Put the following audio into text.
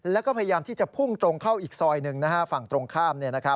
แล้วก็พยายามที่จะพุ่งตรงเข้าอีกซอยหนึ่งฝั่งตรงข้าม